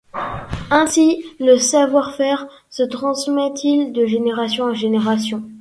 Ainsi, le savoir-faire se transmet-il de génération en génération.